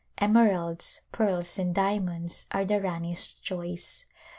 Emeralds, pearls, and diamonds are the Rani's choice.